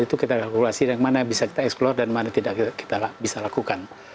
itu kita kalkulasi dan mana yang bisa kita eksplore dan mana tidak kita bisa lakukan